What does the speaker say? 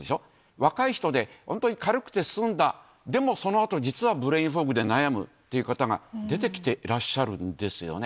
若い人で本当に軽くて済んだ、でもそのあと実はブレインフォグで悩むという方が出てきていらっしゃるんですよね。